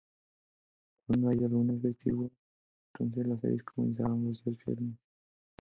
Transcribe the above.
Cuando haya lunes festivo, entonces las series comenzaran los días viernes.